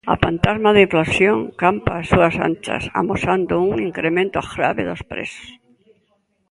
A pantasma da inflación campa ás súas anchas, amosando un incremento grave dos prezos.